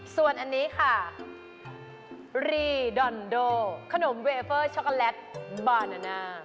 ส่วนอันนี้ค่ะรีดอนโดขนมเวเฟอร์ช็อกโกแลตบานาน่า